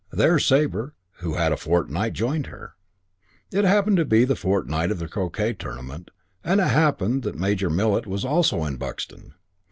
There Sabre, who had a fortnight, joined her. It happened to be the fortnight of the croquet tournament, and it happened that Major Millet was also in Buxton.